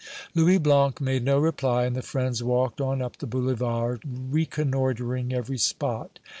Louis Blanc made no reply, and the friends walked on up the Boulevard, reconnoitering every spot.